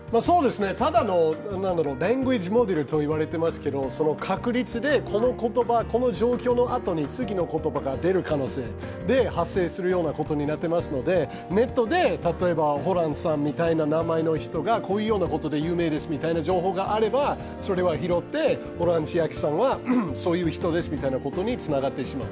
ただのランゲージモデルといわれてますけど、確率でこの言葉、この状況のあとに次の言葉が出る可能性、発生するようなことになっていますので、ネットで例えばホランさんみたいな名前の人がこういうようなことで有名ですという情報があればそれは拾ってホラン千秋さんはそういうことですということにつながってしまう。